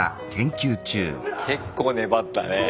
結構粘ったね。